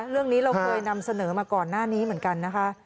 เราเคยนำเสนอมาก่อนหน้านี้เหมือนกันนะคะ